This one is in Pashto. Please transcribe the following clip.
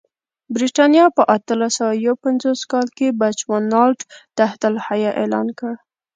برېټانیا په اتلس سوه یو پنځوس کال کې بچوانالنډ تحت الحیه اعلان کړ.